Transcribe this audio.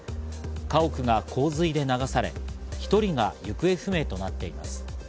家屋が洪水で流され、一人が行方不明となっています。